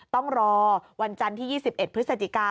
ต้องรอวันจันทร์ที่๒๑พฤศจิกา